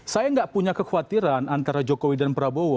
saya nggak punya kekhawatiran antara jokowi dan prabowo